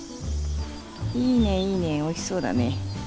いいねいいねおいしそうだね。